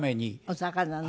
お魚の？